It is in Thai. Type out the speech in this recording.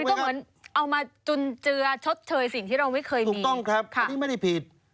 ก็เหมือนเอามาจุนเจือชดเชยสิ่งที่เราไม่เคยเห็นถูกต้องครับอันนี้ไม่ได้ผิด